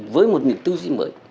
với một nghị tư duy mới